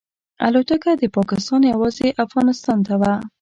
الوتکه د پاکستان یوازې افغانستان ته وه.